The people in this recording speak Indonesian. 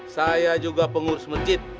saya juga pengurus masjid